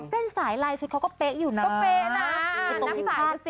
เส้นสายลายชุดเขาก็เป๊ะอยู่นะ